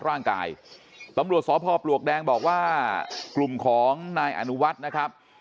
ร่างกายตำรวจสพปลวกแดงบอกว่ากลุ่มของนายอนุวัฒน์นะครับ